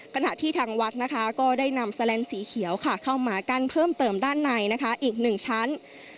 ขณะที่ทางวัดนะคะก็ได้นำแลนสีเขียวเข้ามากั้นเพิ่มเติมด้านในอีก๑ชั้น